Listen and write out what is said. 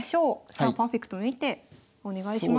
さあパーフェクトな一手お願いします。